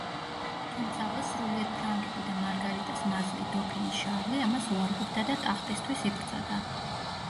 თუმცაღა სრულიად ფრანგები და მარგარიტას მაზლი, დოფინი შარლი ამას უარყოფდა და ტახტისთვის იბრძოდა.